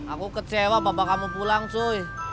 aku kecewa bapak kamu pulang sih